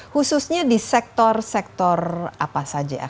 khususnya di sektor sektor apa saja